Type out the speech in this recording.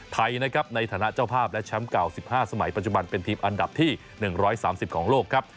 ไทยนะครับในฐานะเจ้าภาพและแชมป์เก่า๑๕สมัยปัจจุบันเป็นทีมอันดับที่๑๓๐ของโลกครับ